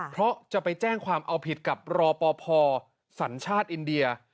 เพราะจะไปแจ้งความเอาผิดกับรอปภสัญชาติอินเดีย